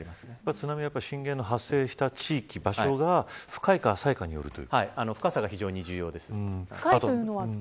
津波は震源の発生した地域場所が深いか浅いかによるということですか。